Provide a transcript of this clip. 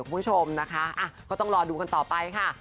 คุณผู้ชมนะคะก็ต้องรอดูกันต่อไปค่ะ